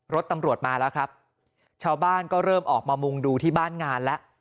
รถตำรวจมาแล้วครับชาวบ้านก็เริ่มออกมามุงดูที่บ้านงานแล้ว